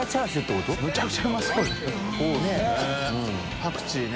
パクチーね。